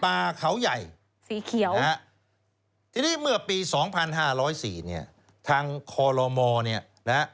ป่าเขาใหญ่สีเขียวทีนี้เมื่อปี๒๕๐๔ทางคอลโลมอล์